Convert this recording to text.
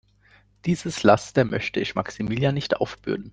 Dieses Laster möchte ich Maximilian nicht aufbürden.